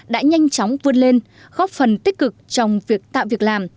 đã nhanh chóng vươn lên góp phần tích cực trong việc tạo việc làm